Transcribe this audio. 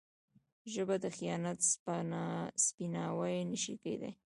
ژبه د خیانت سپیناوی نه شي کېدای.